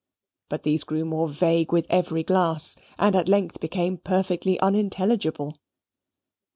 But these grew more vague with every glass, and at length became perfectly unintelligible.